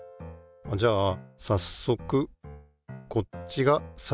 じゃあさっそくこっちがさとう水の氷。